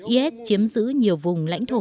is chiếm giữ nhiều vùng lãnh thổ